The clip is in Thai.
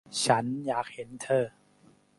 ฉันอยากเห็นเธอ